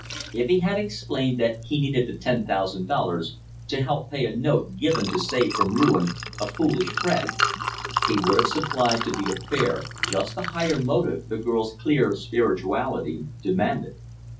If he had explained that he needed the ten thousand dollars to help pay a note given to save from ruin a foolish friend, he would have supplied to the affair just the higher motive the girl's clear spirituality demanded.